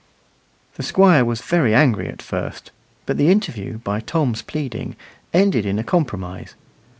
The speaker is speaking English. The Squire was very angry at first, but the interview, by Tom's pleading, ended in a compromise.